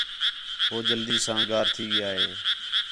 ہو جلدی ساں گار تھی ڳیا ہے